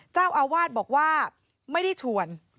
เจ้าอาวาสบอกว่าไม่ได้ชวน